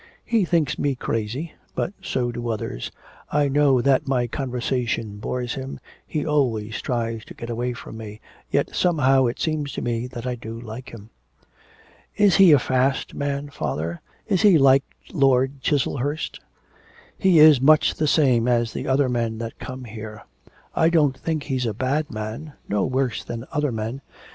He thinks me crazy, but so do others; I know that my conversation bores him, he always tries to get away from me, yet somehow it seems to me that I do like him.' 'Is he a fast man, father, is he like Lord Chiselhurst?' 'He is much the same as the other men that come here. I don't think he's a bad man no worse than other men.